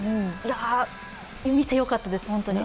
見てよかったです、本当に。